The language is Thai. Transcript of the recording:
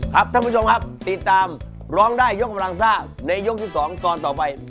ครับท่านผู้ชมติดตามร้องได้กับกำลังซ่าในยกที่๒ก่อนต่อไป